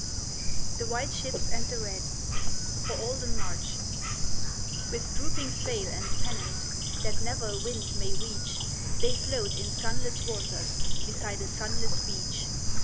The White Ships and the Red (For Alden March) With drooping sail and pennant That never a wind may reach, They float in sunless waters Beside a sunless beach.